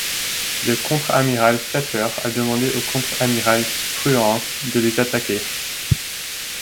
Le contre-amiral Fletcher a demandé au contre-amiral Spruance de les attaquer.